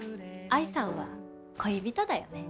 愛さんは恋人だよね。